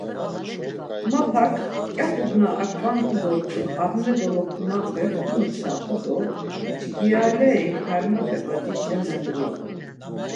Mapak, mǩyapuk na aǩvandu dort̆un ağne dolokunape konoçapu do cgiraleri Karmat̆e badişa menduğu.